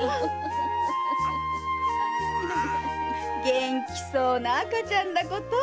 元気そうな赤ちゃんだこと。